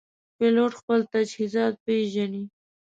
پیلوټ خپل تجهیزات پېژني.